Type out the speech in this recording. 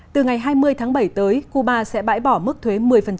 từ ngày hai mươi tháng bảy tới cuba sẽ bãi bỏ mức thuế một mươi